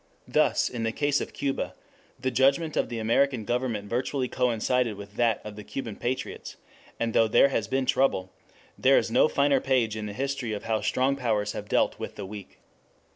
Thus in the case of Cuba the judgment of the American government virtually coincided with that of the Cuban patriots, and though there has been trouble, there is no finer page in the history of how strong powers have dealt with the weak.